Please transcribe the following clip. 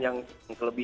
yaudah move mosim